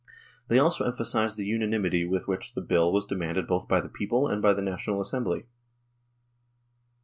They also emphasised the unanimity with which this Bill was demanded both by the people and by the National Assembly.